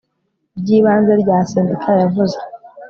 ry ibanze rya sendika yavuze